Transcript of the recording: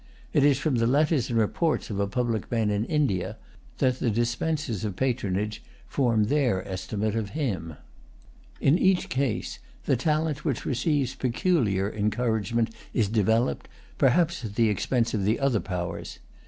It is from the letters and reports of a public man in India that the dispensers of patronage form their estimate of him. In each case, the talent which receives peculiar encouragement is developed, perhaps at the expense of the other powers.